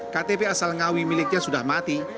ktp asal ngawi miliknya sudah mati